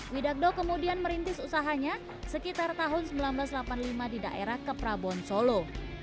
widagdo kemudian merintis usahanya sekitar tahun seribu sembilan ratus delapan puluh lima di daerah keprabon solo